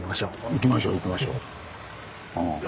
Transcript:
行きましょう行きましょう。